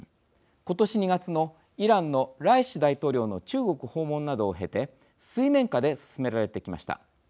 今年２月のイランのライシ大統領の中国訪問などを経て水面下で進められてきました。